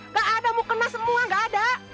nggak ada mukena semua nggak ada